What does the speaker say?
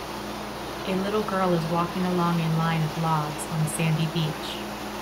A little girl is walking along a line of logs on a sandy beach.